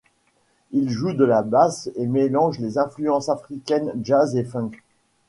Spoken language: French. Il joue de la basse et mélange des influences africaines, jazz et funk.